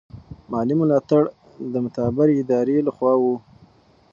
مالي ملاتړ د معتبرې ادارې له خوا و.